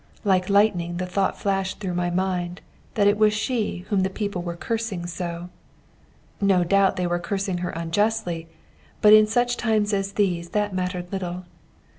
Like lightning the thought flashed through my mind that she it was whom the people were cursing so. No doubt they were cursing her unjustly, but in such times as these that mattered little.